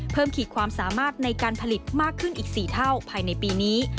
ขีดความสามารถในการผลิตมากขึ้นอีก๔เท่าภายในปีนี้